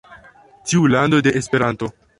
Tiu lando de Esperanto!?